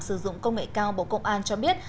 sử dụng công nghệ cao bộ công an cho biết